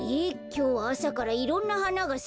きょうはあさからいろんなはながさくな。